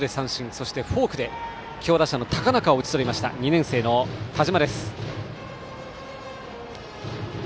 そしてフォークで強打者の高中を打ち取った２年生の田嶋。